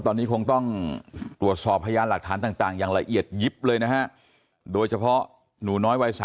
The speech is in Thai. ตอนนี้คงต้องตรวจสอบพยานหลักฐานต่างอย่างละเอียดยิบเลยนะฮะโดยเฉพาะหนูน้อยวัย๓